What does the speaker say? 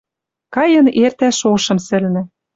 Кайын эртӓ шошым сӹлнӹ